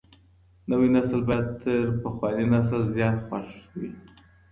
نوی نسل بايد تر پخواني نسل زيات ويښ وي.